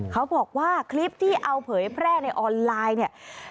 เขาบอกว่าคลิปที่เอาเผยแพร่ในออนไลน์เนี่ย